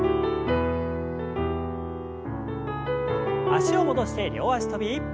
脚を戻して両脚跳び。